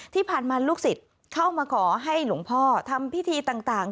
ที่ผ่านมาลูกศิษย์เข้ามาขอให้หลวงพ่อทำพิธีต่าง